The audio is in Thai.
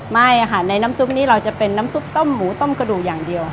ไม่ค่ะในน้ำซุปนี้เราจะเป็นน้ำซุปต้มหมูต้มกระดูกอย่างเดียว